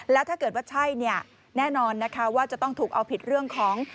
แล้วถ้าเกิดว่าใช่เนี่ยแน่นอนนะคะว่าจะต้องถูกเอาผิดเรื่องของ